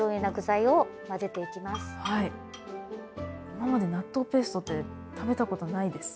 今まで納豆ペーストって食べたことないです。